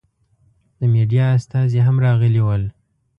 د مېډیا استازي هم راغلي ول.